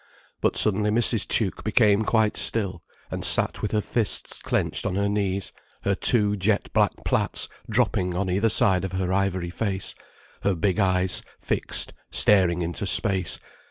But suddenly Mrs. Tuke became quite still, and sat with her fists clenched on her knees, her two jet black plaits dropping on either side of her ivory face, her big eyes fixed staring into space.